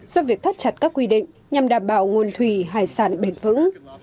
do việc thắt chặt các quy định nhằm đảm bảo nguồn thủy hải sản bền vững